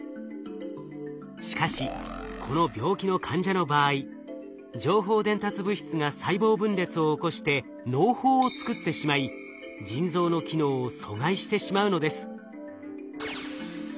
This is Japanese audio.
しかしこの病気の患者の場合情報伝達物質が細胞分裂を起こして嚢胞を作ってしまい腎臓の機能を阻害してしまうのです。